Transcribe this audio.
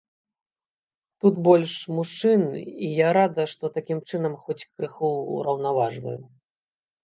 Тут больш мужчын, і я рада, што такім чынам хоць крыху ўраўнаважваю.